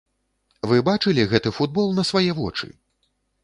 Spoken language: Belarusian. Вы бачылі гэты футбол на свае вочы?